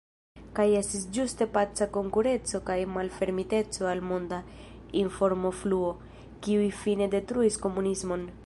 Kaj estis ĝuste paca konkurenco kaj malfermiteco al monda informofluo, kiuj fine detruis komunismon.